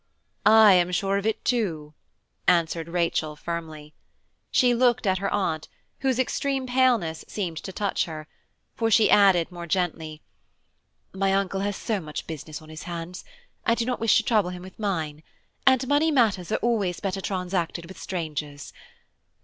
"I am sure of it, too," answered Rachel firmly. She looked at her Aunt, whose extreme paleness seemed to touch her, for she added more gently, "My uncle has so much business on his hands, I do not wish to trouble him with mine, and money matters are always better transacted with strangers.